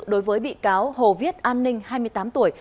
đối với bị cáo hồ viết an ninh hai mươi tám tuổi